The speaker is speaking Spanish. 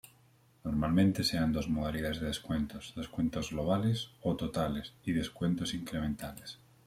Normalmente se dan dos modalidades de descuentos: descuentos globales o totales y descuentos incrementales.